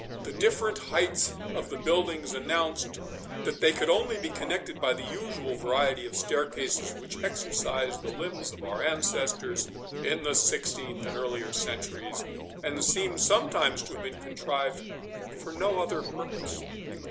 The different heights of the buildings announced that they could only be connected by the usual variety of staircases, which exercised the limbs of our ancestors in the sixteenth and earlier centuries, and seem sometimes to have been contrived for no other purpose.